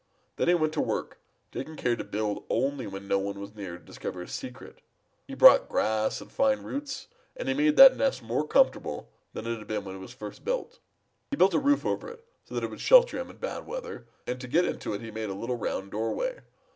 Then he went to work, taking care to build only when no one was near to discover his secret. He brought grass and fine roots, and he made that nest more comfortable than it had been when it was first built. Then he built a roof over it, so that it would shelter him in bad weather, and to get into it he made a little round doorway.